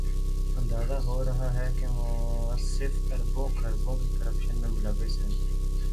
اندازہ ہو رہا ہے کہ موصوف اربوں، کھربوں کی کرپشن میں ملوث ہیں۔